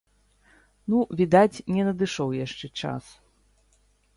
Ну, відаць, не надышоў яшчэ час.